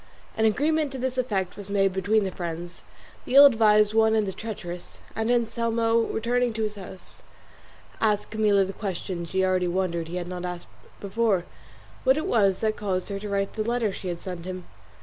An agreement to this effect was made between the friends, the ill advised one and the treacherous, and Anselmo returning to his house asked Camilla the question she already wondered he had not asked before what it was that had caused her to write the letter she had sent him.